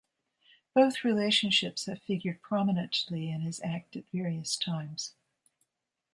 Both relationships have figured prominently in his act at various times.